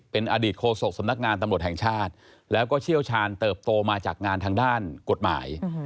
เป็นอดีตโฆษกสำนักงานตำรวจแห่งชาติแล้วก็เชี่ยวชาญเติบโตมาจากงานทางด้านกฎหมาย